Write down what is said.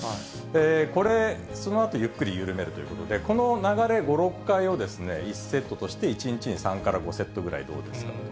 これ、そのあとゆっくり緩めるということで、この流れ、５、６回を１セットとして１日に３から５セットぐらいどうですか。